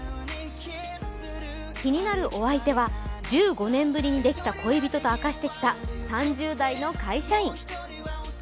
気になるお相手は、１５年ぶりにできた恋人と明かしてきた３０代の会社員。